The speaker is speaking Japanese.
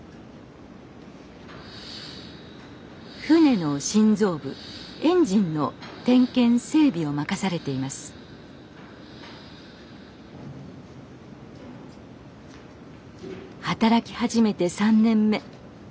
船の心臓部エンジンの点検・整備を任されています働き始めて３年目。